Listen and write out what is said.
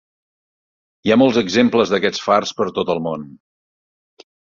Hi ha molts exemples d'aquests fars per tot el món.